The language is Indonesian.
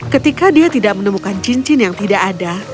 ketika dia tidak menemukan cincin yang tidak ada